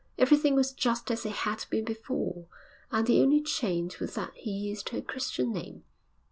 Everything was just as it had been before, and the only change was that he used her Christian name.